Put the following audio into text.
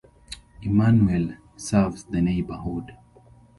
Emanuel., serves the neighborhood.